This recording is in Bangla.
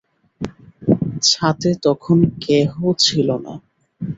ছাতে তখন কেহ ছিল না।